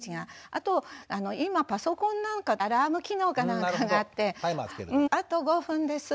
あと今パソコンなんかアラーム機能か何かがあって「あと５分です」